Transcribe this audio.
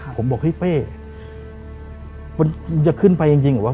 ผมบอกให้เป้มันจะขึ้นไปจริงหรือเปล่า